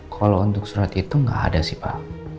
kalau untuk surat itu nggak ada sih pak